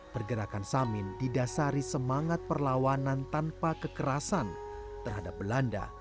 pergerakan samin didasari semangat perlawanan tanpa kekerasan terhadap belanda